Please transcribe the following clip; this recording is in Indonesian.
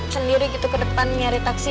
sendiri gitu kedepan mencari taksi